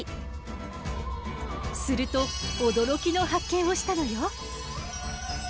すると驚きの発見をしたのよ。